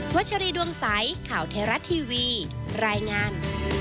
ชัชรีดวงใสข่าวเทราะทีวีรายงาน